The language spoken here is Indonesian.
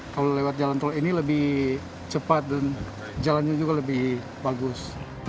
kalau lewat jalan tol ini lebih cepat dan jalannya juga lebih bagus